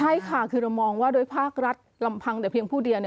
ใช่ค่ะคือเรามองว่าโดยภาครัฐลำพังแต่เพียงผู้เดียว